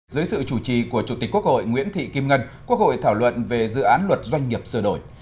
dưới sự chủ trì của chủ tịch quốc hội nguyễn thị kim ngân quốc hội thảo luận về dự án luật doanh nghiệp sửa đổi